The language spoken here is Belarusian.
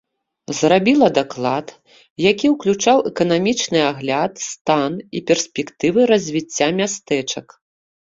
Зрабіла даклад, які уключаў эканамічны агляд, стан і перспектывы развіцця мястэчак.